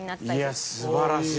いや素晴らしい。